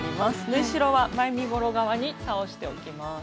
縫い代は前身ごろ側に倒しておきます。